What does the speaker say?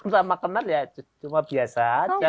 sama kenal ya cuma biasa aja